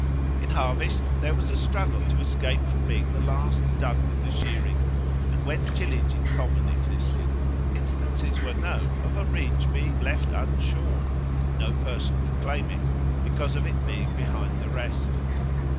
In harvest, there was a struggle to escape from being the last done with the shearing, and when tillage in common existed, instances were known of a ridge being left unshorn (no person would claim it) because of it being behind the rest.